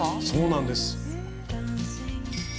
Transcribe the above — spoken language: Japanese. そうなんです。